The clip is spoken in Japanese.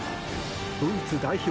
ドイツ代表